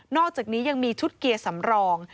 อกจากนี้ยังมีชุดเกียร์สำรอง